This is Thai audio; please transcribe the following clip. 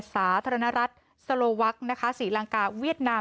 สาธารณรัฐสโลวักนะคะศรีลังกาเวียดนาม